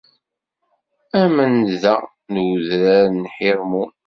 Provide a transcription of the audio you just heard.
Am nnda n udrar n Ḥirmun.